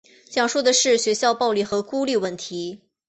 讲述的是学校暴力和孤立问题。